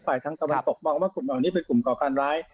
ทางตะวันตกมองว่ากลุ่มเหล่านี้เป็นกลุ่มก่อการร้าย